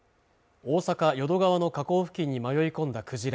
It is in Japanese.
大阪淀川の河口付近に迷い込んだクジラ